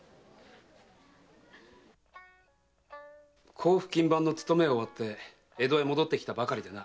甲府勤番の勤めを終わって江戸へ戻ってきたばかりでな。